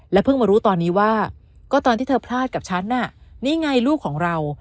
เพิ่งมารู้ตอนนี้ว่าก็ตอนที่เธอพลาดกับฉันน่ะนี่ไงลูกของเรา